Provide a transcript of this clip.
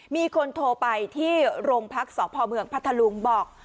มีคนโทรไปที่โรงพักษ์สพเมืองพัทธลุงบอก